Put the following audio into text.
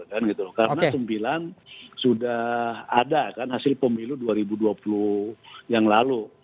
karena sembilan sudah ada kan hasil pemilu dua ribu dua puluh yang lalu